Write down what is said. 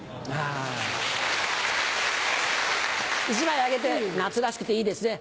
１枚あげて夏らしくていいですね。